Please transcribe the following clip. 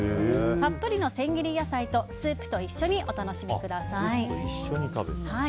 たっぷりの千切り野菜とスープと一緒にお楽しみください。